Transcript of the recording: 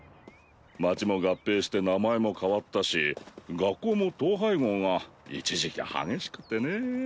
街も合併して名前も変わったし学校も統廃合が一時期激しくてねぇ。